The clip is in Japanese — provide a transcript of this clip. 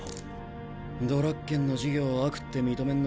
ドラッケンの事業を悪って認めんのか？